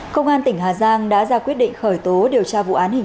công an tỉnh hà giang đã ra quyết định khởi tố điều tra vụ án hình